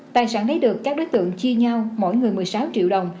tài sản lấy được các đối tượng chia nhau mỗi người một mươi sáu triệu đồng